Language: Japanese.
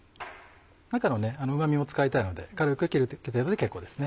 中のうま味も使いたいので軽く切るだけで結構ですね。